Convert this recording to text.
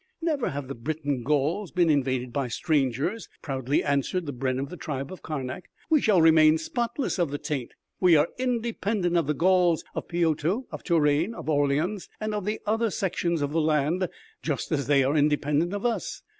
"Never have the Breton Gauls been invaded by strangers," proudly answered the brenn of the tribe of Karnak. "We shall remain spotless of the taint. We are independent of the Gauls of Piotou, of Touraine, of Orleans and of the other sections of the land, just as they are independent of us.